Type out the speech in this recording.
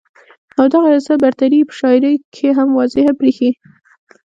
او دغه احساس برتري ئې پۀ شاعرۍ کښې هم واضحه برېښي